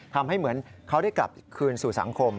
ทำให้เหมือนเขาได้กลับคืนสู่สังคม